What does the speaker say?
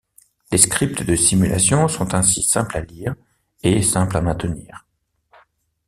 Les scripts de simulation sont ainsi simple à lire et simple à maintenir.